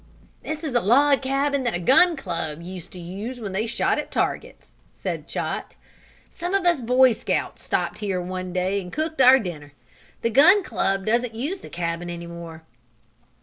"This is a log cabin that a gun club used to use when they shot at targets," said Chot. "Some of us Boy Scouts stopped here one day and cooked our dinner. The gun club doesn't use the cabin any more."